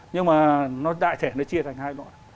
nhưng mà nó đại thể nó chia thành hai đội